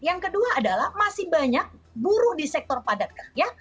yang kedua adalah masih banyak buruh di sektor padat kah